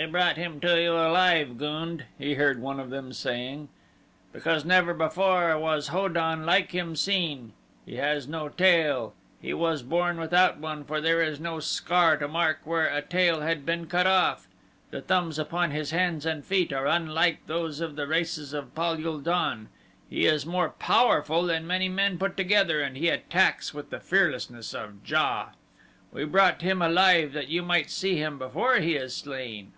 "We brought him to you alive, Gund," he heard one of them saying, "because never before was Ho don like him seen. He has no tail he was born without one, for there is no scar to mark where a tail had been cut off. The thumbs upon his hands and feet are unlike those of the races of Pal ul don. He is more powerful than many men put together and he attacks with the fearlessness of JA. We brought him alive, that you might see him before he is slain."